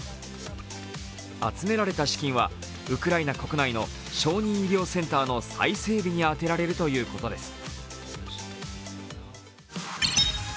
集められた資金はウクライナ国内の小児医療センターの再整備に充てられるということです。